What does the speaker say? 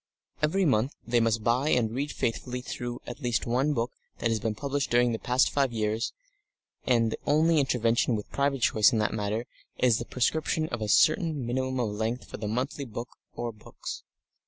Every month they must buy and read faithfully through at least one book that has been published during the past five years, and the only intervention with private choice in that matter is the prescription of a certain minimum of length for the monthly book or books.